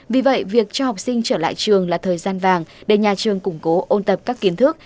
vì vậy việc cho học sinh trở lại trường là thời gian vàng để nhà trường củng cố ôn tập các kiến thức